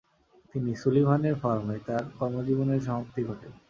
তিনি সুলিভানের ফার্মে তার কর্মজীবনের সমাপ্তি ঘটে।